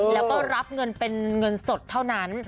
แล้วก็รับเงินเป็นเงินสดเท่านั้น